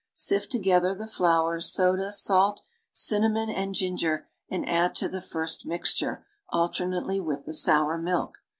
Sift together the flour, soda, salt, cinnamon and ginger and add to the first mixture alternately with the sour milk.